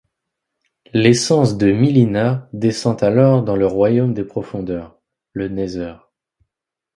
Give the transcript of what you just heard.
L'essence de Mileena descend alors dans le royaume des profondeurs, le Nether.